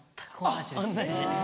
同じ。